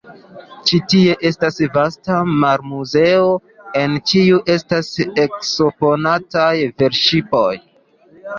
Ĉi tie estas vasta marmuzeo, en kiu estas eksponataj velŝipoj.